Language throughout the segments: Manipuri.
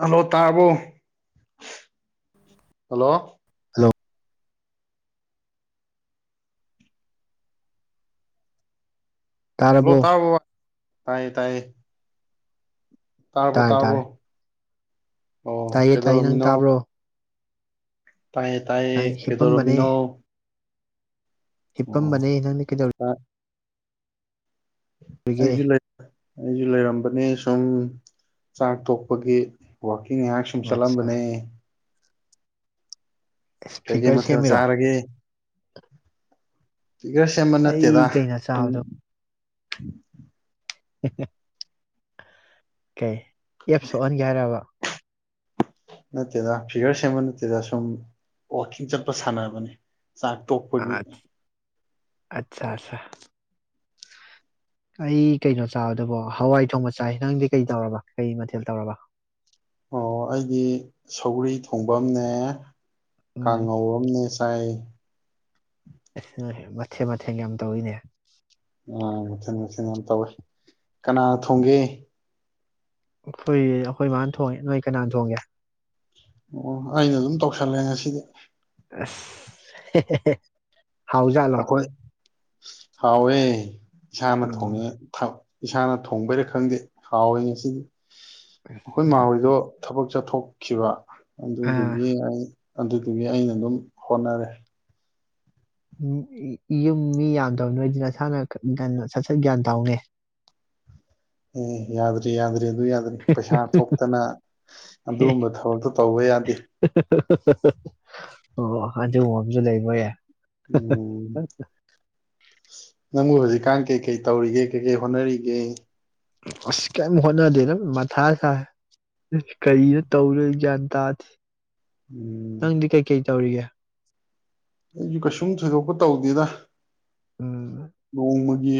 ꯍꯜꯂꯣ ꯇꯥꯕꯣ ꯍꯜꯂꯣ ꯍꯜꯂꯣ ꯂꯣ ꯇꯥꯔꯕꯣ ꯇꯥꯕꯣ ꯇꯥꯏꯌꯦ ꯇꯥꯏꯌꯦ ꯇꯥꯔꯔꯕꯣ ꯇꯥꯔꯦ ꯇꯥꯔꯔꯕꯣ ꯇꯥꯔꯦ ꯇꯥꯏꯌꯦ ꯇꯥꯏꯌꯦ ꯅꯪ ꯇꯥꯕ꯭ꯔꯣ ꯇꯥꯏꯦ ꯇꯌꯦ ꯑꯩ ꯀꯦꯗꯣꯔ ꯍꯤꯞꯄꯝꯕꯅꯦ ꯃꯤꯅꯣ ꯍꯤꯞꯄꯝꯕꯅꯦ ꯅꯪꯗ ꯀꯩꯗꯧꯔꯤ ꯑꯩꯁꯨ ꯑꯩꯁꯨ ꯂꯩꯔꯝꯕꯅꯦ ꯁꯨꯝ ꯆꯥꯛ ꯇꯣꯛꯄꯒꯤ ꯋꯥꯀꯤꯡ ꯏ ꯉꯥꯏꯍꯥꯛ ꯁꯨꯝ ꯑꯠꯆꯥ ꯆꯠꯂꯝꯕꯅꯦ ꯑꯁ ꯀꯩꯀꯩ ꯐꯤꯒꯔ ꯃꯊꯦꯜ ꯁꯦꯝꯃꯤꯔꯣ ꯆꯥꯔꯒꯦ ꯐꯤꯒꯔ ꯁꯦꯝꯕ ꯑꯩ ꯅꯠꯇꯦꯗ ꯀꯩꯅꯣ ꯎꯝ ꯆꯥꯕꯗꯣ [unintelligible] [unintelligible] ꯀꯩ ꯑꯦꯞ ꯊꯣꯛꯍꯟꯒꯦ ꯍꯥꯏꯔꯕ ꯅꯠꯇꯦꯗ ꯐꯤꯒꯔ ꯁꯦꯝꯕ ꯅꯠꯇꯦꯗ ꯁꯨꯝ ꯋꯥꯛꯀꯤꯡ ꯆꯠꯄ ꯁꯥꯟꯅꯕꯅꯤ ꯆꯥꯛ ꯇꯣꯛꯄꯒꯤ ꯑꯠꯆꯥ ꯑꯠꯆꯥ ꯑꯠꯆꯥꯥ ꯑꯩ ꯀꯩꯅꯣ ꯆꯥꯕꯗꯨꯕꯣ ꯍꯋꯥꯏ ꯊꯣꯡꯕ ꯆꯥꯏ ꯅꯪꯗꯤ ꯀꯩ ꯇꯧꯔꯕ ꯀꯩ ꯃꯊꯦꯜ ꯇꯧꯔꯕ ꯑꯣ ꯑꯩꯗꯤ ꯁꯧꯒ꯭ꯔꯤ ꯊꯣꯡꯕꯑꯃꯅꯦ ꯎꯝ ꯀꯥꯡꯉꯧꯝꯅꯦ ꯇꯥꯏ ꯑꯁ ꯃꯊꯦꯟ ꯃꯊꯦꯟ ꯌꯥꯝ ꯌꯥꯝ ꯇꯧꯋꯤꯅꯦ ꯑ ꯃꯊꯦꯟ ꯃꯊꯦꯟ ꯌꯥꯝ ꯇꯧꯋꯦ ꯀꯅꯥꯅ ꯊꯣꯡꯒꯦ ꯑꯩꯈꯣꯏ ꯑꯩꯈꯣꯏ ꯃꯥꯅ ꯊꯣꯡꯉꯦ ꯅꯣꯏ ꯀꯅꯥ ꯊꯣꯡꯒꯦ ꯑꯣ ꯑꯩꯅ ꯑꯗꯨꯝ ꯇꯧꯁꯜꯂꯦ ꯉꯁꯤꯗꯤ ꯑꯁ ꯍꯦ ꯍꯦ ꯍꯥꯎꯖꯥꯠꯂꯣ ꯑꯩꯈꯣꯏ ꯍꯥꯎꯋꯦ ꯏꯁꯥꯅ ꯎꯝ ꯊꯣꯡꯉꯦ ꯏꯁꯥꯅ ꯊꯣꯡꯕꯩꯔ ꯈꯪꯗꯦ ꯍꯥꯎꯋꯦ ꯉꯁꯤꯗꯤ ꯑꯩꯈꯣꯏ ꯎꯝ, ꯃꯥꯥꯍꯣꯏꯗꯣ ꯊꯕꯛ ꯆꯠꯊꯣꯛ ꯈꯤ ꯋꯥ ꯑꯥ ꯑꯗꯨꯗꯨꯒꯤ ꯑꯩ ꯑꯗꯨꯗꯨꯒꯤ ꯑꯩꯅ ꯑꯗꯨꯝ ꯍꯣꯠꯅꯔꯦ ꯌꯨꯝ ꯃꯤ ꯌꯥꯝꯗꯕ ꯅꯣꯏꯗꯤ ꯅꯁꯥꯅ ꯁꯠ ꯁꯠ ꯒ꯭ꯌꯥꯟ ꯇꯥꯎꯅꯦ ꯎꯝ ꯌꯥꯗ꯭ꯔꯤ ꯌꯥꯎꯗ꯭ꯔꯔꯤ ꯑꯗꯨ ꯌꯥꯗꯔꯤ ꯄꯩꯁꯥ ꯊꯣꯛꯇꯅ ꯑꯗꯨꯒꯨꯝꯕ ꯊꯕꯛꯇꯣ ꯇꯧꯕ ꯌꯥꯗꯦ ꯑꯣ ꯑꯗꯨꯒꯨꯝꯕ ꯑꯃꯁꯨ ꯂꯩꯕꯣꯏꯌꯥ ꯎꯝ [unintelligible] ꯅꯪꯕꯨ ꯍꯧꯖꯤꯛꯀꯥꯟ ꯀꯩꯀꯩ ꯇꯧꯔꯤꯒꯦ ꯀꯩꯀꯩ ꯍꯣꯠꯅꯔꯤꯒꯦ ꯑꯁ ꯀꯔꯤꯝ ꯍꯣꯠꯅꯗꯦ ꯑ ꯃꯊꯥ ꯁꯥꯏ ꯀꯔꯤꯅꯣ ꯇꯧꯗꯣꯏꯁꯦ ꯒ꯭ꯌꯥꯟ ꯇꯥꯗꯦ ꯎꯝ ꯅꯪꯗꯤ ꯀꯩ ꯀꯩ ꯇꯧꯔꯤꯒꯦ ꯑꯩꯁꯨ ꯀꯩꯁꯨꯝ ꯊꯣꯏꯗꯣꯛꯄ ꯇꯧꯗꯦꯗ ꯎꯝ ꯅꯣꯡꯃꯒꯤ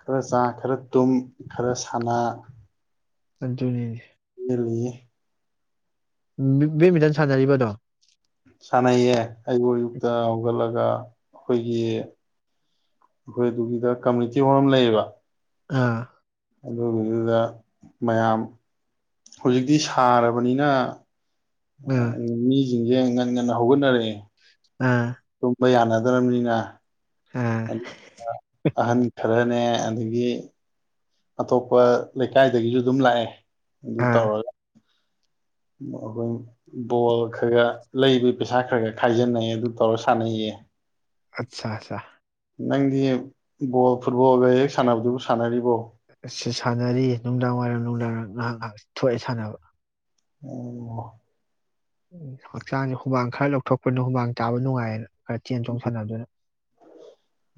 ꯈꯔ ꯆꯥ ꯈꯔ ꯇꯨꯝ ꯈꯔ ꯁꯥꯟꯅ ꯇꯟꯖꯨꯅꯤꯅꯤ [inaudible] ꯕꯦꯠꯃꯤꯟꯇꯟ ꯁꯥꯟꯅꯔꯤꯕꯗꯣ ꯁꯥꯟꯅꯩꯌꯦ ꯑꯌꯨꯛ ꯑꯌꯨꯛꯇ ꯍꯧꯒꯠꯂꯒ ꯑꯩꯈꯣꯏꯒꯤ ꯑꯩꯈꯣꯏ ꯑꯗꯨꯒꯤꯗ ꯀꯝꯃꯨꯅꯤꯇꯤ ꯍꯣꯜ ꯑꯃ ꯂꯩꯌꯦꯕ ꯑꯥ ꯑꯗꯨꯗꯨꯗ ꯃꯌꯥꯝ ꯍꯧꯖꯤꯛꯇꯤ ꯁꯥꯔꯕꯅꯤꯅ ꯑ ꯑꯥ ꯃꯤ ꯁꯤꯡꯁꯦ ꯉꯟꯅ ꯉꯟꯅ ꯍꯧꯒꯠꯅꯔꯛꯑꯦ ꯎꯝ ꯇꯨꯝꯕ ꯌꯥꯅꯗ꯭ꯔꯕꯅꯤꯅ ꯑꯥ ꯑꯍꯟ ꯈꯔꯅꯦ ꯑꯗꯒꯤ ꯑꯇꯣꯞꯄ ꯂꯩꯀꯥꯏꯗꯒꯤꯁꯨ ꯑꯗꯨꯝ ꯂꯥꯛꯑꯦ ꯑꯗꯨ ꯑꯥ ꯇꯔ ꯑꯩꯈꯣꯏ ꯕꯣꯜ ꯈꯔꯒ ꯂꯩꯕ ꯄꯩꯁꯥ ꯈꯔ ꯈ ꯈꯥꯏꯖꯤꯟꯅꯩꯌꯦ ꯑꯗꯨ ꯇꯧꯔ ꯁꯥꯟꯅꯩꯌꯦ ꯑꯠꯆꯥ ꯑꯠꯆꯥ ꯅꯪꯗꯤ ꯕꯣ ꯐꯨꯠꯕꯣꯜꯒ ꯍꯦꯛ ꯁꯥꯟꯅꯕꯗꯨꯕꯨ ꯁꯥꯟꯅꯔꯤꯕꯣ ꯑꯁꯤ ꯁꯥꯟꯅꯔꯤ ꯅꯨꯡꯗꯥꯡ ꯋꯥꯏꯔꯝ ꯅꯨꯡꯗꯥꯡ ꯋꯥꯏꯔꯝ ꯉꯥꯏꯍꯥꯛ ꯉꯥꯏꯍꯥꯛ ꯊꯣꯛꯑꯦ ꯁꯥꯟꯅꯕ ꯑꯣꯝ ꯎ ꯍꯛꯆꯥꯡꯁꯦ ꯍꯨꯃꯥꯡ ꯈꯔ ꯂꯧꯊꯣꯛꯄꯅ ꯍꯨꯃꯥꯡ ꯇꯥꯕ ꯅꯨꯡꯉꯥꯏꯌꯦꯅ ꯈꯔ ꯆꯦꯟ ꯆꯣꯡ ꯁꯥꯟꯅꯕꯗꯨꯅ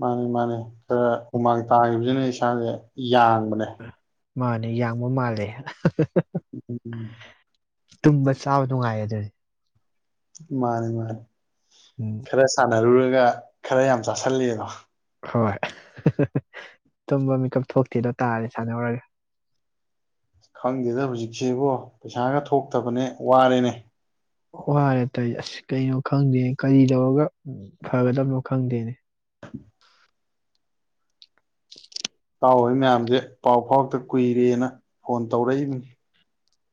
ꯃꯥꯅꯤ ꯃꯥꯅꯤ ꯈꯔ ꯍꯨꯃꯥꯡ ꯇꯥꯈꯤꯕꯁꯤꯅ ꯏꯁꯥꯁꯦ ꯌꯥꯡꯕꯅꯦ ꯃꯥꯅꯦ ꯌꯥꯡꯕ ꯃꯥꯜꯂꯦ ꯎꯝ ꯇꯨꯝꯕ ꯆꯥꯕ ꯅꯨꯡꯉꯥꯏꯌꯦ ꯑꯗꯨꯗꯤ ꯃꯥꯅꯦ ꯃꯥꯅꯦ ꯎꯝ ꯈꯔꯦ ꯁꯥꯙꯔꯨ ꯒ ꯈꯔ ꯌꯥꯝ ꯆꯥꯁꯜꯂꯤꯦꯗꯣ ꯍꯣꯏ ꯇꯨꯝꯕ ꯃꯤꯀꯞ ꯊꯣꯛꯇꯦꯗꯣ ꯇꯥꯔꯗꯤꯦ ꯁꯥꯟꯅꯧꯔꯒꯦ ꯈꯪꯗꯦꯗ ꯍꯧꯖꯤꯛꯁꯤꯕꯣ ꯄꯩꯁꯥꯒ ꯊꯣꯛꯇꯕꯅꯦ ꯋꯥꯔꯦꯅꯦ ꯋꯥꯔꯦ ꯇꯥꯏ ꯑꯁ ꯀꯩꯅꯣ ꯈꯪꯗꯦ ꯀꯔꯤ ꯇꯧꯔꯒ ꯐꯒꯗꯕꯅꯣ ꯈꯪꯗꯦꯅꯦ ꯄꯥꯎ ꯍꯣꯏ ꯃꯌꯥꯝꯁꯦ ꯄꯥꯎ ꯐꯥꯎꯗ ꯀꯨꯏꯔꯦꯅ ꯐꯣꯟ ꯇꯧꯔꯛꯏꯕꯅꯤ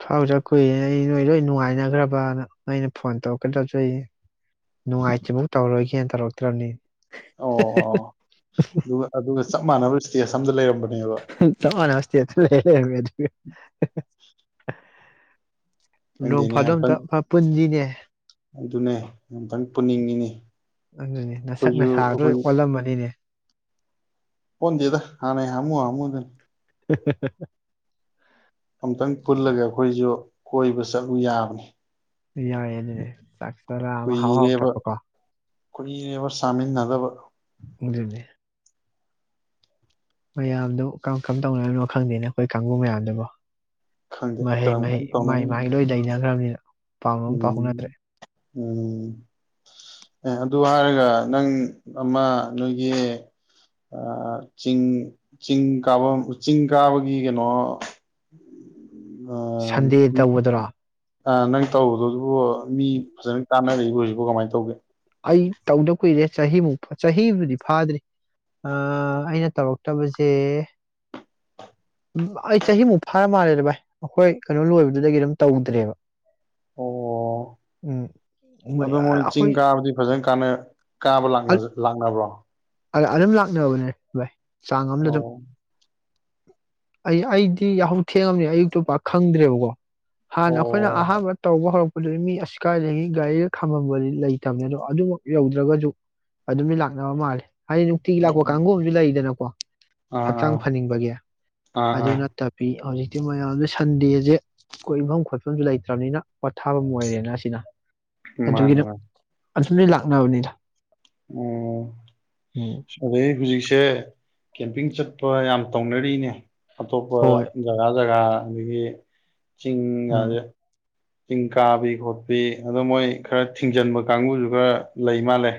ꯐꯥꯎꯗ ꯀꯨꯏꯔꯅꯦ ꯑꯩ ꯅꯣꯏ ꯂꯣꯏ ꯅꯨꯡꯉꯥꯏꯅꯈ꯭ꯔꯕꯅ ꯑꯩꯅ ꯐꯣꯟ ꯇꯧꯔꯛꯀꯗꯧꯖ ꯑꯩ ꯅꯨꯡꯉꯥꯏꯇ꯭ꯐꯧ ꯇꯧꯔꯣꯏꯒꯦꯅ ꯇꯧꯔꯛꯇ꯭ꯔꯕꯅꯤ ꯑꯣ ꯑꯗꯨꯒ ꯑꯗꯨꯒ ꯆꯞ ꯃꯥꯟꯅꯕ ꯏꯁꯇꯦꯖ ꯆꯝ ꯂꯩ ꯊꯃ ꯅꯅꯥꯁꯤꯦ ꯑꯗꯨꯠ [inaudible] [inaudible] ꯅꯣꯡ ꯈꯪꯗꯦꯅꯦ ꯑꯝꯇꯪ ꯐꯥꯗꯝꯇ ꯄꯨꯟꯁꯤꯅꯦ ꯑꯗꯨꯅꯦ ꯑꯝꯇꯪ ꯄꯨꯅꯤꯡꯉꯤꯅꯤ ꯑꯗꯨꯅꯦ ꯅꯁꯛ ꯑꯩꯈꯣꯏꯁꯨ ꯅꯁꯥ ꯑꯩꯈꯣꯏ ꯂꯣꯏ ꯑꯣꯜꯂꯝꯃꯅꯤꯅꯦ ꯑꯣꯟꯗꯦꯗ ꯍꯥꯟꯅꯦ ꯍꯥꯃꯨ ꯍꯥꯃꯨꯗꯨꯅꯤ [unintelligible] ꯑꯝꯇꯪ ꯄꯨꯜꯂꯒ ꯑꯩꯈꯣꯏꯁꯨ ꯀꯣꯏꯕ ꯆꯠꯂꯨ ꯌꯥꯕꯅꯤ ꯌꯥꯏ ꯑꯗꯨꯅꯦ ꯆꯥꯛ ꯆꯔꯥ ꯑꯃ ꯍꯥꯎ ꯍꯥꯎꯊꯄꯀꯣ ꯈꯨꯏꯅꯦꯕ ꯆꯥꯃꯤꯟꯅꯗꯕ ꯑꯗꯨꯅꯦ ꯃꯌꯥꯝꯗꯨ ꯀꯔꯝ ꯀꯔꯝ ꯇꯧꯅꯔꯤꯅꯣ ꯈꯪꯗꯦꯅꯦ ꯑꯩꯈꯣꯏ ꯀꯥꯡꯕꯨ ꯃꯌꯥꯝꯗꯨꯕꯨꯣ ꯈꯪꯗꯦ ꯃꯍꯩ ꯀꯔꯝ ꯃꯍꯩ ꯀꯔꯝ ꯃꯍꯥꯏ ꯇꯧꯅꯔꯤꯅꯣ ꯃꯍꯥꯏ ꯂꯣꯏꯗꯩꯅ [unintelligible] ꯎꯝ ꯎꯝ ꯎ ꯑꯦ ꯑꯗꯨ ꯍꯥꯏꯔꯒ ꯅꯪ ꯑꯃ ꯅꯣꯏꯒꯤ ꯆꯤꯡ ꯆꯤꯡ ꯀꯥꯕ ꯆꯤꯡ ꯀꯥꯕꯒꯤ ꯀꯩꯅꯣ ꯁꯟꯗꯦ ꯇꯧꯕꯗꯨꯔꯥ ꯑ ꯅꯪ ꯇꯧꯕꯗꯗꯨꯕꯨ ꯃꯤ ꯐꯖꯅ ꯀꯅ ꯏꯕꯨꯨꯁꯤꯕꯨ ꯀꯃꯥꯏꯅ ꯇꯧꯒꯦ ꯑꯩ ꯇꯧꯗꯕ ꯀꯨꯏꯔꯦ ꯆꯍꯤꯃꯨꯛ ꯆꯍꯤꯕꯨꯗꯤ ꯐꯥꯗ꯭ꯔꯤ ꯑ ꯑꯩꯅ ꯇꯧꯔꯛꯇꯕꯁꯦ ꯑꯩ ꯆꯍꯤꯃꯨꯛ ꯐꯥꯔ ꯃꯥꯜꯂꯦꯗ ꯚꯥꯏ ꯑꯩꯈꯣꯏ ꯀꯩꯅꯣ ꯂꯣꯏꯕꯗꯨꯗꯒꯤ ꯑꯗꯨꯝ ꯇꯧꯗ꯭ꯔꯦꯕ ꯑꯣ ꯎꯝ ꯃ ꯑꯩꯈꯣꯏ ꯐꯖ ꯀ ꯀꯥꯅ ꯇꯕ꯭ꯔꯣ ꯑ ꯑꯗꯨꯝ ꯂꯥꯛꯅꯕꯅꯦ ꯚꯥꯏ ꯆꯥꯡ ꯑꯃꯅ ꯑꯗꯨꯝ ꯑꯣ ꯑꯩ ꯑꯩꯗꯤ ꯌꯥꯍꯧ ꯊꯦꯡꯉꯝꯅꯤ ꯑꯌꯨꯛꯇ ꯄꯛ ꯈꯪꯗ꯭ꯔꯦꯕꯀꯣ ꯍꯥꯟꯅ ꯑꯩꯈꯣꯏꯅ ꯑꯣ ꯑꯍꯥꯟꯕ ꯇꯧꯕ ꯍꯧꯔꯛꯄ ꯑꯗꯨ ꯃꯤ ꯑꯁꯤ ꯀꯥꯏꯗꯒꯤ ꯒꯥꯔꯤꯒ ꯈꯝꯃꯝꯕꯗꯤ ꯂꯩꯇꯕꯅꯤ ꯑꯗꯣ ꯑꯗꯨꯃꯛ ꯌꯧꯗ꯭ꯔꯒꯁꯨ ꯑꯗꯨꯝꯗꯤ ꯂꯥꯛꯅꯕ ꯃꯥꯜꯂꯦ ꯍꯥꯏ ꯅꯨꯡꯊꯤꯒꯔ ꯂꯥꯛꯄ ꯑꯣ ꯀꯥꯡꯒꯨ ꯑꯝ ꯂꯩꯗꯅ ꯑ ꯑꯥ ꯍꯛꯆꯥꯡ ꯑꯥ ꯐꯅꯤꯡꯕꯒꯤ ꯑꯥ ꯑꯗꯨ ꯑꯥ ꯅꯠꯇꯕꯤ ꯍꯧꯖꯤꯛ ꯃꯌꯥꯝꯁꯦ ꯁꯟꯗꯦꯁꯦ ꯑꯩꯈꯣꯏ ꯌꯐꯝ ꯈꯣꯠꯐꯝꯁꯨ ꯂꯩꯇ꯭ꯔꯕꯅꯤꯅ ꯄꯣꯊꯥꯐꯝ ꯑꯣꯏꯔꯦꯅ ꯑꯁꯤꯅ ꯃꯥꯅꯤ ꯃꯥ ꯑꯗꯨ ꯅꯣꯏ ꯂꯥꯛꯅꯕꯅꯤꯗ ꯎꯝ ꯎꯝ ꯑꯗꯩ ꯍꯧꯖꯤꯛꯁꯦ ꯀꯦꯝꯄꯤꯡ ꯆꯠꯄ ꯌꯥꯝ ꯇꯧꯅꯔꯤꯅꯦ ꯑꯇꯣꯞꯄ ꯍꯣꯏ ꯖꯒꯥ ꯖꯒꯥ ꯅꯗꯒꯤ ꯆꯤꯡ ꯎꯝ ꯑꯗꯦ ꯆꯤꯡ ꯀꯥꯕꯤ ꯈꯣꯠꯄꯤ ꯑꯣ ꯃꯣꯏ ꯈꯔ ꯊꯤꯡꯖꯤꯟꯕ ꯀꯥꯡꯕꯨꯁꯨ ꯈꯔ ꯂꯩ ꯃꯥꯜꯂꯦ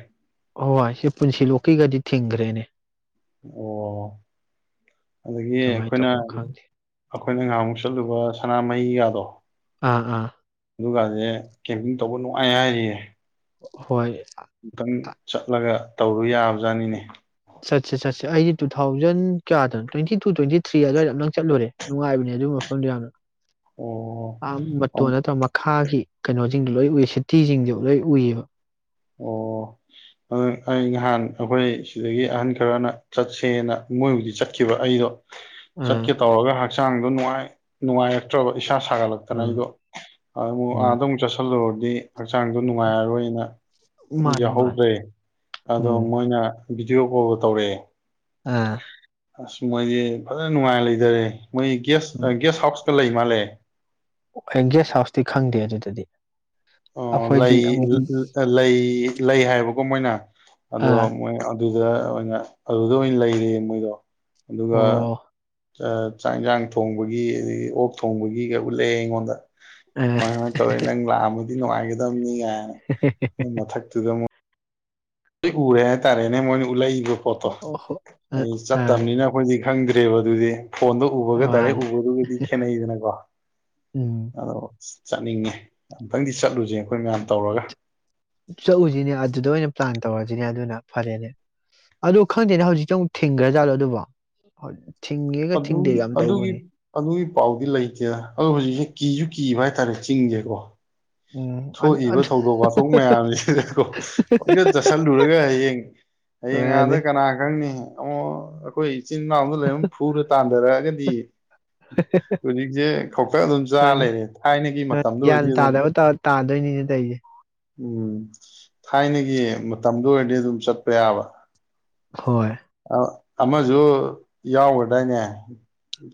ꯍꯍꯣꯏ ꯁꯤ ꯄꯨꯟꯁꯤ ꯂꯣꯛꯀꯤꯒꯗꯤ ꯊꯤꯡꯈ꯭ꯔꯦꯅꯦ ꯑꯣ ꯑꯗꯒꯤ ꯀꯃꯥꯏꯅ ꯑꯩꯈꯣꯏꯅ ꯇꯧꯕꯅꯣ ꯈꯪꯗꯦ ꯑꯩꯈꯣꯏꯅ ꯉꯥꯏꯍꯥꯃꯨꯛ ꯆꯠꯂꯨꯕ ꯁꯅꯥꯃꯍꯤꯒꯗꯣ ꯑꯥ ꯑꯥ ꯑꯗꯨ ꯀꯗꯦ ꯀꯦ ꯇꯧꯕ ꯅꯨꯡꯉꯥꯏ ꯍꯥꯏꯔꯤꯌꯦ ꯍꯣꯏ ꯑꯃꯨꯇꯪ ꯆꯠꯂꯒ ꯇꯧꯔꯨ ꯌꯥꯕ ꯑꯣꯖꯥꯅꯤꯅꯦ ꯆꯠꯁꯦ ꯆꯠꯁꯦ ꯑꯩꯗꯤ ꯇꯨ ꯊꯥꯎꯖꯟ ꯀꯌꯥꯗꯅꯣ ꯇ꯭ꯋꯦꯟꯇꯤ ꯇꯨ ꯇ꯭ꯋꯦꯟꯇꯤ ꯊ꯭ꯔꯤ ꯑꯗꯨꯋꯥꯏꯗꯝ ꯅꯪ ꯆꯠꯂꯨꯔꯦ ꯅꯨꯡꯉꯥꯏꯕꯅꯦ ꯑꯗꯨꯒꯤ ꯃꯐꯝꯗꯣ ꯌꯥꯝꯅ ꯑꯣ ꯃꯇꯣꯟ ꯅꯠꯇ꯭ꯔꯒ ꯃꯈꯥꯒꯤ ꯀꯩꯅꯣ ꯁꯤꯡꯗꯨ ꯂꯣꯏ ꯎꯏ ꯁꯤꯇꯤꯁꯤꯡꯗꯨ ꯂꯣꯏ ꯎꯏꯌꯦꯕ ꯑꯣ ꯑꯗꯨ ꯑꯩ ꯅꯍꯥꯟ ꯑꯩꯈꯣꯏ ꯁꯤꯗꯒꯤ ꯑꯍꯟ ꯈꯔꯅ ꯆꯠꯁꯦꯅ ꯃꯣꯏꯕꯨꯗꯤ ꯆꯠꯈꯤꯕ ꯑꯩꯗꯣ ꯑꯥ ꯆꯠꯀꯦ ꯇꯧꯔꯒ ꯍꯛꯆꯥꯡꯗꯣ ꯅꯨꯡꯉꯥꯏ ꯅꯨꯡꯉꯥꯏꯔꯛꯇ꯭ꯔꯕ ꯄꯩꯁꯥ ꯁꯥꯒꯠꯂꯛꯇꯅ ꯑꯩꯗꯣ ꯎꯝ ꯑꯃꯨꯛ ꯎꯝ ꯑꯥꯗ ꯑꯃꯨꯛ ꯆꯠꯁꯤꯜꯂꯨꯔꯒ ꯑꯗꯨꯗꯤ ꯍꯛꯆꯥꯡꯗꯣ ꯅꯨꯡꯉꯥꯏꯔꯔꯣꯏꯅ ꯃꯥꯅꯤ ꯃꯥꯅꯤ ꯌꯥꯎꯍꯧꯗ꯭ꯔꯦ ꯑꯗꯣ ꯎꯝ ꯃꯣꯏꯅ ꯚꯗꯤꯑꯣ ꯀꯣꯜ ꯇꯧꯔꯛꯑꯦ ꯑꯥ ꯑꯁ ꯃꯣꯏꯗꯤ ꯐꯖꯅ ꯅꯨꯡꯉꯥꯏ ꯂꯩꯖꯔꯦ ꯃꯣꯏ ꯦꯁꯒꯦꯁ ꯍꯥꯎꯁ ꯂꯩ ꯃꯥꯜꯂꯦ ꯑꯩ ꯒꯦꯁ ꯍꯥꯎꯁꯇꯤ ꯈꯪꯗꯦ ꯑꯗꯨꯗꯗꯤ ꯑꯣ ꯑꯩꯈꯣꯏꯗꯤ ꯂꯩ ꯑꯃꯨꯛ ꯂꯩ ꯂꯩ ꯍꯥꯏꯕ ꯀꯃꯥꯏꯅꯥ ꯑꯗꯣ ꯑꯥ ꯃꯣꯏ ꯑꯗꯨꯗ ꯑꯣꯏꯅ ꯑꯗꯨꯗ ꯑꯣꯏꯅ ꯂꯩꯔꯦ ꯃꯣꯏꯗꯣ ꯑꯗꯨꯒ ꯑꯣ ꯆꯥꯛ ꯌꯦꯟꯁꯥꯡ ꯊꯣꯡꯕꯒꯤ ꯑꯗꯒꯤ ꯑꯣꯛ ꯊꯣꯡꯕꯒꯤ ꯀꯩ ꯎ ꯂꯩꯑꯦ ꯑꯩꯉꯣꯟꯗ ꯑꯥ ꯍꯣꯏ ꯍꯣꯏ ꯇꯧꯔꯤ ꯅꯪ ꯂꯥꯛꯑꯝꯃ ꯗꯤ ꯅꯨꯡꯉꯥꯏꯒꯗꯕꯅꯤ ꯌꯥ ꯃꯊꯛꯇꯗ ꯎꯔꯦ ꯇꯥꯔꯦꯅꯦ ꯃꯣꯏꯅ ꯎ ꯂꯩ ꯑꯗꯨ ꯄꯣꯠꯇꯣ ꯑꯣ ꯑꯣ ꯍꯣ ꯑꯥ ꯑꯩ ꯑꯥ ꯆꯠꯇꯕꯅꯤꯅ ꯑꯩꯈꯣꯏꯗꯤ ꯈꯪꯗ꯭ꯔꯦꯕ ꯑꯗꯨꯗꯤ꯫ ꯐꯣꯟꯗ ꯎꯕꯒ ꯗꯥꯏꯔꯦꯛ ꯃꯥꯅꯤ ꯎꯕꯗꯨꯒꯗꯤ ꯈꯦꯠꯅꯩꯗꯅꯀꯣ ꯎꯝ ꯑꯗꯣ ꯆꯠꯅꯤꯡꯉꯦ꯫ ꯑꯝꯇꯪꯗꯤ ꯆꯠꯂꯨꯁꯦ ꯑꯩꯈꯣꯏ ꯃꯌꯥꯝ ꯇꯧꯔꯒ꯫ ꯆꯠꯂꯨꯁꯤꯅꯦ ꯑꯗꯨꯗ ꯑꯣꯏꯅ ꯄ꯭ꯂꯥꯟ ꯇꯧꯔꯖꯤꯅꯦ ꯑꯗꯨꯅ ꯐꯔꯦꯅꯦ ꯑꯗꯣ ꯈꯪꯗꯦꯅꯦ ꯍꯧꯖꯤꯛꯇ ꯑꯃꯨꯛ ꯊꯤꯡꯈ꯭ꯔꯥꯖꯥꯠꯂꯣ ꯑꯗꯨꯕꯣ? ꯊꯤꯡꯉꯦꯒ ꯑꯗꯨꯒꯤ ꯊꯤꯡꯗꯦꯒ ꯌꯥꯝ ꯑꯗꯨꯒꯤ ꯇꯧꯕꯅꯦ ꯑꯗꯨꯒꯤ ꯄꯥꯎꯗꯤ ꯂꯩꯇꯦ ꯑꯗꯣ ꯍꯧꯖꯤꯛꯁꯦ ꯀꯤꯖꯨ ꯀꯤꯕ ꯍꯥꯏꯇꯥꯔꯦ ꯆꯤꯡꯖꯦꯀꯣ꯫ ꯎꯝ ꯑꯟ ꯊꯣꯛꯏꯕ ꯑꯟ ꯊꯧꯗꯣꯛ ꯋꯥꯊꯣꯛ ꯃꯌꯥꯝꯁꯤꯗꯀꯣ ꯄꯪꯆꯠ ꯆꯠꯁꯤꯜꯂꯨꯔꯒ ꯍꯌꯦꯡ ꯍꯌꯦꯡ ꯑꯥꯗ ꯃꯥꯅꯤ ꯀꯅꯥ ꯈꯪꯅꯤ ꯑꯃꯝ ꯑꯩꯈꯣꯏ ꯏꯆꯤꯟ - ꯏꯅꯥꯎ ꯑꯃ ꯂꯩꯔ ꯐꯨꯔ ꯇꯥꯟꯊꯔꯛꯑꯒꯗꯤ ꯍꯧꯖꯤꯛꯁꯦ ꯈꯛꯇꯪ ꯑꯗꯨꯝ ꯆꯥ ꯃꯥꯅꯤ ꯂꯩꯔꯦ ꯊꯥꯏꯅꯒꯤ ꯃꯥꯅꯤ ꯃꯇꯝꯗ ꯒ꯭ꯌꯥꯟ ꯑꯣꯏꯔꯗꯤ ꯑꯗꯨꯝ ꯇꯥꯗꯕ [unintelligible] ꯎꯝ ꯊꯥꯏꯅꯒꯤ ꯃꯇꯝꯗꯨ ꯑꯣꯏꯔꯗꯤ ꯑꯗꯨꯝ ꯆꯠꯄ ꯌꯥꯕ꯫ ꯍꯣꯏ꯫ ꯑꯃꯖꯨ ꯌꯥꯎꯒꯗꯏꯅꯦ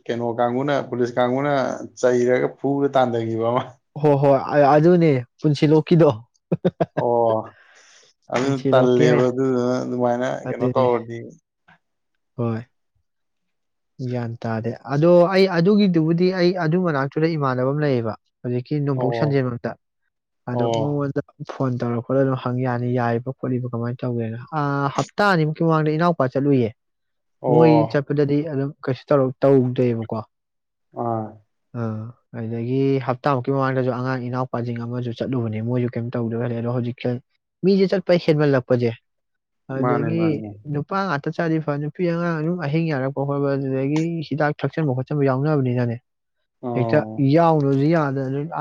ꯀꯩꯅꯣ ꯀꯥꯡꯕꯨꯅ ꯄꯨꯂꯤꯁ ꯀꯥꯡꯕꯨꯅ ꯆꯩꯔꯒ ꯐꯨꯗ ꯇꯥꯟꯊꯈꯤꯕ ꯑꯃ꯫ ꯍ ꯍꯣꯏ ꯑꯗꯨꯅꯦ ꯄꯨꯟꯁꯤ ꯂꯣꯛ ꯀꯤꯗꯣ꯫ ꯑꯣ ꯑꯗꯨ ꯄꯨꯟꯁꯤꯂꯣꯛꯀꯤ ꯇꯜꯂꯦꯕ ꯍꯥꯏꯗꯣ ꯑꯗꯨꯗꯨꯅ ꯑꯗꯨꯃꯥꯏꯅ ꯀꯩꯅꯣ ꯑꯗꯨꯅꯤ ꯇꯧꯔꯗꯤ ꯍꯣꯏ꯫ ꯒ꯭ꯌꯥꯟ ꯇꯥꯗꯦ ꯑꯗꯣ ꯑꯩ ꯑꯗꯨꯒꯤꯗꯨꯕꯨꯗꯤ ꯑꯩ ꯑꯗꯨ ꯃꯅꯥꯛꯇꯨꯗ ꯏꯃꯥꯟꯅꯕ ꯑꯃ ꯂꯩꯌꯦꯕ ꯍꯧꯖꯤꯛꯀꯤ ꯅꯣꯡꯄꯣꯛ ꯑꯣ ꯁꯟꯖꯦꯜꯃꯛꯇ ꯑꯗꯣ ꯑꯣ ꯃꯉꯣꯟꯗ ꯐꯣꯟ ꯇꯧꯔ ꯈꯣꯠꯂꯒ ꯑꯗꯨꯝ ꯍꯪ ꯌꯥꯅꯤ ꯌꯥꯔꯤꯕ ꯈꯣꯠꯂꯤꯕ ꯀꯃꯥꯏꯅ ꯇꯧꯒꯦꯅ ꯑ ꯍꯞꯇꯥ ꯑꯅꯤꯃꯨꯛꯀꯤ ꯃꯃꯥꯡꯗ ꯏꯅꯥꯎꯄꯥ ꯆꯠꯂꯨꯌꯦ꯫ ꯃꯣꯏ ꯑꯩ ꯑꯣ ꯆꯠꯄꯗꯗꯤ ꯑꯗꯨꯝ ꯀꯩꯁꯨ ꯇꯧꯔ ꯇꯧꯗꯦꯕꯀꯣ꯫ ꯑꯥ꯫ ꯑꯥ ꯑꯗꯨꯗꯒꯤ ꯍꯞꯇꯥꯃꯨꯛꯀꯤ ꯃꯃꯥꯡꯗꯁꯨ ꯑꯉꯥꯡ ꯏꯅꯥꯎꯄꯥꯁꯤꯡ ꯑꯃꯁꯨ ꯆꯠꯂꯨꯕꯅꯦ ꯃꯣꯏꯁꯨ ꯀꯩꯝ ꯇꯧꯗꯣꯏ ꯈꯂꯦ ꯑꯗꯣ ꯍꯧꯖꯤꯛ ꯃꯤꯁꯦ ꯆꯠꯄ ꯍꯦꯟꯃꯜꯂꯛꯄꯁꯦ ꯃꯥꯅꯦ ꯑꯗꯨꯗꯒꯤ ꯃꯥꯅꯦ ꯅꯨꯄꯥ ꯉꯛ ꯇ ꯆꯥꯗꯤ ꯐ ꯅꯨꯄꯤ ꯑꯉꯥꯡ ꯑꯗꯨꯝ ꯑꯍꯤꯡ ꯌꯥꯔꯛꯄ ꯍꯣꯏ ꯍꯣꯏ ꯍ ꯑꯗꯨꯗꯒꯤ ꯍꯤꯗꯥꯛ ꯊꯛꯆꯟꯕ ꯈꯣꯠꯆꯟꯕ ꯌꯥꯎꯅꯕꯅꯤꯅꯅꯦ ꯍꯛꯇ ꯑꯣ ꯌꯥꯅꯨꯖꯨ ꯌꯥ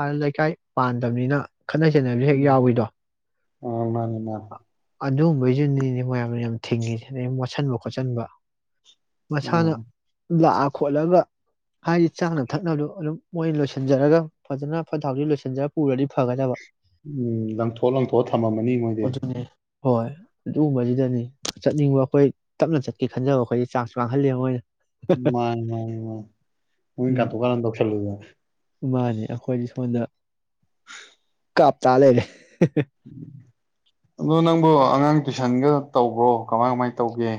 ꯑ ꯂꯩꯀꯥꯏ ꯄꯥꯟꯗꯝꯅꯤꯅ꯫ ꯑꯥ ꯃꯅꯦ ꯃꯥꯅꯦ꯫ ꯑꯗꯨꯒꯨꯝꯝꯕꯕꯩꯗꯨꯅꯤꯅꯦ ꯃꯌꯥꯝꯅ ꯌꯥꯝ ꯊꯤꯡꯉꯤ ꯑꯗꯨꯗꯩꯩ ꯃꯣꯠꯁꯤꯟꯕ - ꯈꯣꯠꯆꯟꯕ꯫ ꯃꯁꯥꯅ ꯑꯣ ꯂꯥꯛ ꯈꯣꯠꯂꯒ ꯍꯥꯏꯗꯤ ꯆꯥꯅ ꯊꯛꯅꯕꯗ ꯑꯗꯨꯝ ꯃꯣꯏꯅ ꯂꯣꯏꯁꯤꯟꯖꯔꯒ ꯐꯖꯅ ꯐꯠꯇ ꯍꯥꯎꯊꯤ ꯂꯣꯏꯁꯤꯟꯖꯔꯒ ꯄꯨꯔꯗꯤ ꯐꯒꯗꯕ꯫ ꯎꯝ ꯂꯪꯊꯣꯛ ꯂꯪꯊꯣꯛꯑ ꯊꯝꯃꯝꯃꯅꯤ ꯃꯣꯏꯗꯤ꯫ ꯑꯗꯨꯅꯦ ꯍꯣꯏ ꯑꯗꯨꯒꯨꯝꯕꯖꯤꯗꯅꯤ ꯆꯠꯅꯤꯡꯕ ꯑꯩꯈꯣꯏ ꯇꯞꯅ ꯆꯠꯀꯦ ꯈꯟꯖꯕ ꯑꯩꯈꯣꯏꯗꯤ ꯆꯥꯁ ꯃꯥꯡꯍꯜꯂꯦ ꯃꯣꯏꯅ ꯃꯥꯅꯦ ꯃꯥꯅꯦ ꯃꯥꯥꯅꯦ ꯃꯣꯏꯅ ꯎꯝ ꯀꯥꯇꯨ ꯀꯥꯔꯟ ꯇꯧꯁꯟ ꯂꯨꯗꯅ꯫ ꯃꯥꯅꯦ ꯑꯩꯈꯣꯏꯗꯤ ꯁꯣꯝꯗ ꯀꯥꯞ ꯇ ꯂꯩꯔꯦ꯫ ꯑꯗꯣ ꯅꯪ ꯕꯣ ꯑꯉꯥꯡ ꯇꯨꯏꯁꯟꯒ ꯇꯧꯕ꯭ꯔꯣ ꯀꯃꯥꯏ ꯀꯃꯥꯏꯅ ꯇꯧꯒꯦ꯫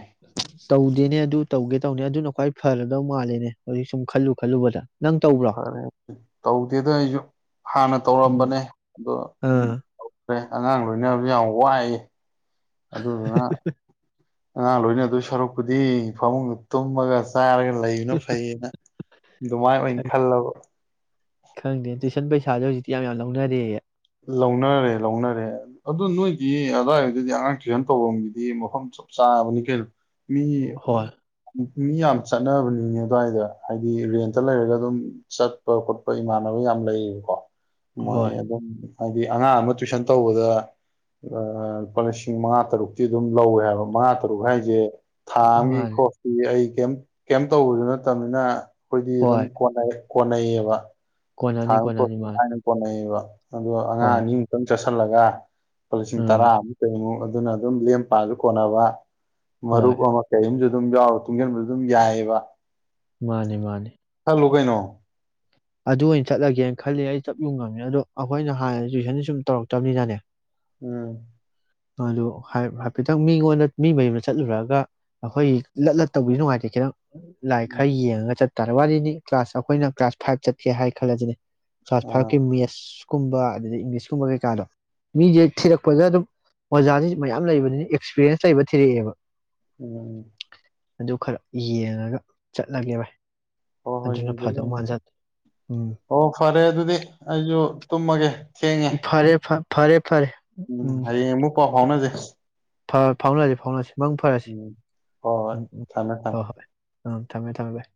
ꯇꯧꯗꯦꯅꯦ ꯑꯗꯨ ꯇꯧꯒꯦ ꯇꯧꯅꯦ ꯑꯗꯨꯅ ꯈ꯭ꯋꯥꯏ ꯐꯔꯗꯧ ꯃꯥꯜꯂꯦꯅꯦ ꯍꯧꯖꯤꯛ ꯁꯨꯝ ꯈꯜꯂꯨ ꯈꯜꯂꯨꯕꯗ꯫ ꯅꯪ ꯇꯧꯕ꯭ꯔꯣ ꯐꯔꯦ ꯇꯧꯗꯦꯗ ꯑꯩꯖꯨ ꯍꯥꯟꯅ ꯎꯝ ꯇꯧꯔꯝꯕꯅꯦ ꯑꯗꯣ ꯑꯥ ꯑꯉꯥꯡ ꯂꯣꯏꯅꯕꯖꯦ ꯌꯥꯝ ꯋꯥꯏꯌꯦ꯫ ꯑꯗꯨꯗꯨꯅ ꯑꯉꯥꯡ ꯂꯣꯏꯅ ꯗꯣꯏ ꯁꯔꯨꯛꯄꯨꯗꯤ ꯐꯃꯨꯡꯗ ꯇꯨꯝꯃꯒ ꯆꯥꯔꯒ ꯂꯩꯕꯅ ꯐꯩꯌꯦꯅ ꯑꯗꯨꯃꯥꯏ ꯑꯣꯏ ꯈꯪ- ꯈꯜꯂꯕ꯫ ꯈꯪꯗꯦ ꯇꯨꯏꯁꯟ ꯄꯩꯁꯥꯥꯖꯦ ꯍꯧꯖꯤꯛꯇꯤ ꯌꯥꯝ ꯌꯥꯝ ꯂꯧꯅꯔꯦꯌꯦ꯫ ꯂꯧꯅꯔꯦ ꯂꯧꯅꯔꯦ ꯑꯗꯨ ꯅꯣꯏꯗꯤ ꯑꯗꯋꯥꯏꯗꯗꯤ ꯑꯉꯥꯡ ꯇꯨꯏꯁꯟ ꯇꯧꯐꯝꯒꯤꯗꯤ ꯃꯐꯝ ꯆꯞ ꯆꯥꯔꯕꯅꯤ ꯀꯩꯅꯣ꯫ ꯃꯤ ꯍꯣꯏ ꯎꯝ꯫ ꯃꯤ ꯌꯥꯝ ꯆꯠꯅꯕꯅꯤꯅꯦ ꯑꯗꯨꯋꯥꯏꯗ ꯍꯥꯏꯗꯤ ꯔꯦꯟꯇ ꯂꯩꯔꯒ ꯑꯗꯨꯝ ꯆꯠꯄ ꯈꯣꯠꯄ ꯏꯃꯥꯟꯅꯕ ꯌꯥꯝ ꯂꯩꯌꯦꯕꯀꯣ꯫ ꯃꯣꯏ ꯍꯣꯏ ꯑꯗꯨꯝ ꯍꯥꯏꯗꯤ ꯑꯉꯥꯡ ꯑꯃ ꯇꯨꯏꯁꯟ ꯇꯧꯕꯗ ꯂꯨꯄꯥ ꯂꯤꯁꯤꯡ ꯃꯉꯥ ꯇꯔꯨꯛꯇꯤ ꯑꯗꯨꯝ ꯂꯧꯋꯦ ꯍꯥꯏꯕ ꯃꯉꯥ ꯇꯔꯨꯛ ꯍꯥꯏꯖꯦ ꯊꯥꯑꯝꯒꯤ ꯃꯥꯅꯤ ꯈ꯭ꯔꯣꯁꯇꯤ ꯑꯩ ꯀꯌꯤꯝ ꯀꯌꯤꯝ ꯇꯧꯕꯖꯨ ꯅꯠꯇꯕꯅꯤꯅ꯫ ꯑꯩꯈꯣꯏꯗꯤ ꯑꯗꯨꯝ ꯍꯣꯏ ꯀꯣꯟꯅꯩ꯫ ꯀꯣꯟꯅꯩꯌꯦꯕ꯫ ꯊꯥ ꯀꯣꯟꯅꯅꯤ ꯑꯝꯒꯤ ꯀꯣꯟꯅꯅꯤ ꯈꯔꯣꯁ ꯃꯥꯅꯤ ꯂꯥꯏꯅ ꯀꯣꯅꯩ ꯑꯕ꯫ ꯑꯗꯣ ꯑꯉꯥꯡ ꯍꯣꯏ ꯑꯅꯤꯃꯨꯛꯇꯪ꯫ ꯆꯠꯁꯜꯂꯒ꯫ ꯂꯨꯄꯥ ꯂꯤꯁꯤꯡ ꯎꯝ ꯇꯔꯥꯃꯨꯛ ꯀꯩꯃꯨꯛ꯫ ꯑꯗꯨꯅ ꯑꯗꯨꯝ ꯂꯦꯝ ꯄꯥꯖꯨ ꯀꯣꯟꯅꯕ꯫ ꯍꯣꯏ ꯃꯔꯨꯞ ꯑꯃ ꯀꯩꯏꯝꯖꯨ ꯑꯗꯨꯝ ꯌꯥꯎꯔ ꯇꯨꯡꯖꯤꯟꯕꯖꯨ ꯑꯗꯨꯝ ꯌꯥꯏꯑꯦꯕ꯫ ꯃꯥꯅꯦ ꯃꯥꯅꯦ꯫ ꯀꯩꯅꯣ꯫ ꯑꯗꯨ ꯑꯣꯏꯅ ꯆꯠꯂꯒꯦꯅ ꯈꯜꯂꯤ ꯑꯩ ꯆꯞ ꯌꯨꯡ ꯉꯝꯃꯦ ꯑꯗꯣ ꯑꯩꯈꯣꯏꯅ ꯍꯥꯟꯅ ꯇꯨꯏꯁꯟ ꯁꯨꯝ ꯇꯧꯔꯛꯇꯃꯤꯅꯅꯦ꯫ ꯎꯝ꯫ ꯑꯗꯨ ꯍꯥꯏꯐꯦꯠꯇꯪ ꯃꯤꯉꯣꯟꯗ ꯃꯤ ꯃꯌꯨꯝꯗ ꯆꯠꯂꯨꯔꯑꯒ ꯑꯩꯈꯣꯏꯒꯤ ꯂꯠ ꯂꯠꯇꯧꯕꯤꯗꯣ ꯅꯨꯡꯉꯥꯏꯇꯦ ꯈꯤꯇꯪ꯫ ꯂꯥꯏ ꯈ ꯎꯝ ꯌꯦꯡꯉꯒ ꯆꯠ ꯇꯥꯔ ꯋꯥꯔꯤꯅꯤ ꯀ꯭ꯂꯥꯁ ꯑꯩꯈꯣꯏꯅ ꯀ꯭ꯂꯥꯁ ꯐꯥꯏꯞ ꯆꯠꯀꯦ ꯍꯥꯏ ꯈꯜꯂꯁꯤꯅꯦ ꯀꯂ꯭ꯥꯁ ꯐꯣꯏꯕ ꯑꯥ ꯀꯤ ꯃꯦꯗꯁ ꯀꯨꯝꯕ ꯑꯗꯨꯗꯗꯒꯤ ꯏꯪꯂꯤꯁꯀꯨꯝꯕ ꯀꯩꯀꯥꯗꯣ ꯃꯤꯁꯦ ꯊꯤꯔꯛꯄꯗ ꯑꯗꯨꯝ ꯑꯣꯖꯥꯗꯤ ꯃꯌꯥꯝ ꯂꯩꯕꯅꯤꯅ ꯑꯦꯛꯁꯄꯤꯔꯦꯟꯁ ꯂꯩꯕ ꯊꯤꯔꯛꯑꯦꯕ꯫ ꯎꯝ꯫ ꯑꯗꯨ ꯈꯔ ꯌꯦꯡꯉꯒ ꯆꯠꯂꯒꯦ ꯚꯥꯏ꯫ ꯍꯣꯏ ꯍꯣꯏ ꯑꯗꯨꯅ ꯌꯦꯡꯁꯤꯜꯂꯨ ꯐꯥꯗꯣ ꯃꯥꯖꯜ ꯑꯣ ꯐꯔꯦ ꯑꯗꯨꯗꯤ ꯑꯩꯁꯨ ꯇꯨꯝꯃꯒꯦ꯫ [inaudible] ꯐꯔꯦ ꯐ ꯐꯔꯦꯞ ꯎꯝ ꯍꯌꯦꯡ ꯑꯃꯨꯛ ꯄꯥꯎ ꯐꯥꯎꯅꯖꯦ꯫ ꯐ ꯐꯥꯎꯅꯔꯁꯤ ꯐꯥꯎꯅꯁꯤ꯫ ꯃꯪ ꯐꯔꯁꯤ ꯍꯣꯏ ꯍꯣꯏ ꯎꯝ - ꯎꯝ ꯊꯝꯃꯦ ꯊꯝꯃꯦ ꯍꯣꯏ - ꯍꯣꯏ꯫ ꯎꯝ ꯊꯝꯃꯦ- ꯊꯝꯃꯦ ꯚꯥꯏ꯫